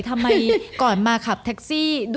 ทำไมก่อนมาขับแท็กซี่